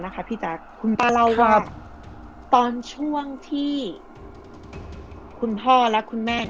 พี่แจ๊คคุณป้าเล่าว่าตอนช่วงที่คุณพ่อและคุณแม่